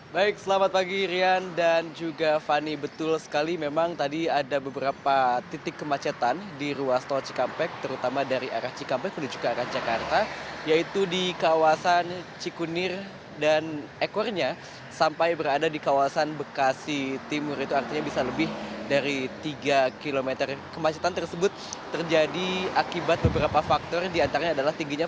baik selamat pagi rian dan juga fani